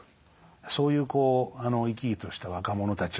そういう生き生きとした若者たちをね